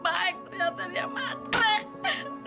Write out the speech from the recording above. baik ternyata dia mati